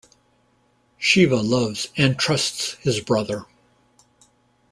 Shiva loves and trusts his brother.